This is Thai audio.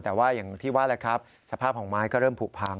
แต่ว่าอย่างที่ว่าแหละครับสภาพของไม้ก็เริ่มผูกพัง